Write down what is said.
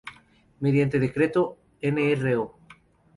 Mediante decreto Nro.